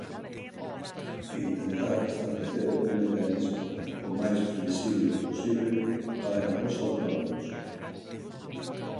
Intentar establecer un mecanismo o máis flexible posible para os autónomos.